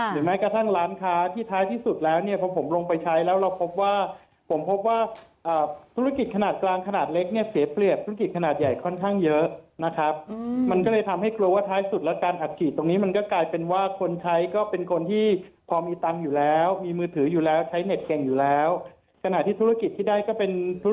แม้กระทั่งร้านค้าที่ท้ายที่สุดแล้วเนี่ยพอผมลงไปใช้แล้วเราพบว่าผมพบว่าธุรกิจขนาดกลางขนาดเล็กเนี่ยเสียเปรียบธุรกิจขนาดใหญ่ค่อนข้างเยอะนะครับมันก็เลยทำให้กลัวว่าท้ายสุดแล้วการอัดฉีดตรงนี้มันก็กลายเป็นว่าคนใช้ก็เป็นคนที่พอมีตังค์อยู่แล้วมีมือถืออยู่แล้วใช้เน็ตเก่งอยู่แล้วขณะที่ธุรกิจที่ได้ก็เป็นธุ